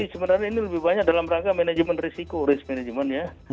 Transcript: sebenarnya ini lebih banyak dalam rangka manajemen risiko risk management ya